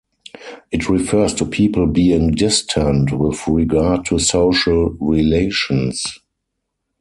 It refers to people being 'distant' with regard to social relations.